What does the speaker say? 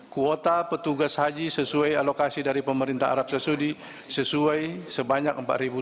kuota petugas haji sesuai alokasi dari pemerintah arab saudi sesuai sebanyak empat ratus